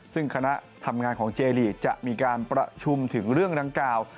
ซึ่งคณะทำงานของเจลีกจะมีการประชุมถึงเรื่องดังกล่าว